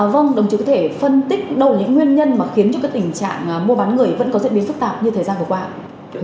vâng đồng chí có thể phân tích đâu là những nguyên nhân mà khiến cho cái tình trạng mua bán người vẫn có diễn biến phức tạp như thời gian vừa qua ạ